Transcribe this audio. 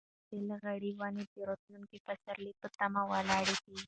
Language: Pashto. د کوڅې لغړې ونې د راتلونکي پسرلي په تمه ولاړې دي.